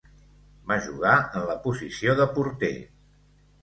Va jugar en la posició de porter.